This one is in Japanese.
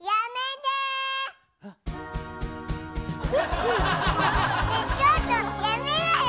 ねえちょっとやめなよ！